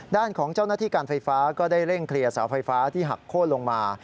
ด้านของเจ้าหน้าที่การไฟฟ้าก็ได้เร่งเคลียร์เสาไฟฟ้าที่หักโค้นลงมา